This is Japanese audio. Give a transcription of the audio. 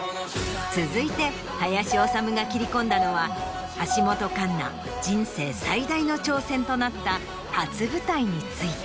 続いて林修が切り込んだのは橋本環奈人生最大の挑戦となった初舞台について。